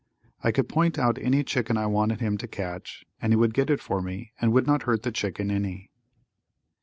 I could point out any chicken I wanted him to catch and he would get it for me and would not hurt the chicken any.